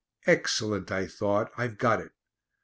"Excellent," I thought; "I've got it."